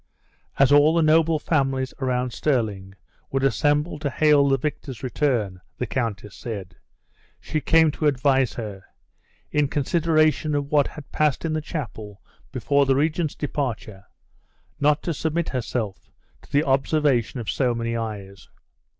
As all the noble families around Stirling would assemble to hail the victor's return, the countess said, she came to advise her, in consideration of what had passed in the chapel before the regent's departure, not to submit herself to the observation of so many eyes.